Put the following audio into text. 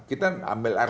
kita ambil air tanah terus